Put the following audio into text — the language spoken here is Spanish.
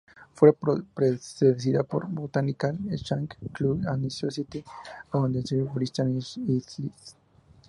Fue precedida por Botanical Exchange Club and Society of the British Isles.